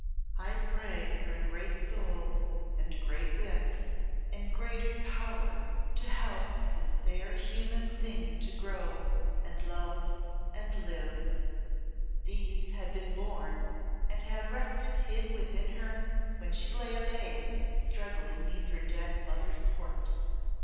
I pray for a great soul, and great wit, and greater power to help this fair human thing to grow, and love, and live." These had been born and had rested hid within her when she lay a babe struggling 'neath her dead mother's corpse.